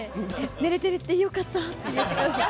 寝れててよかったって言ってくださって。